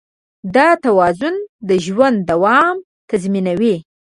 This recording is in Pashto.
دا توازن د ژوند دوام تضمینوي.